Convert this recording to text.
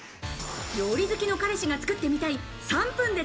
料理好きの彼氏が作ってみたい３分で